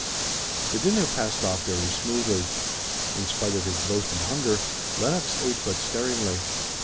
The dinner passed off very smoothly. In spite of his boasted hunger, Lenox ate but sparingly.